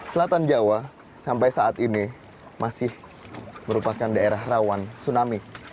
selatan jawa sampai saat ini masih merupakan daerah rawan tsunami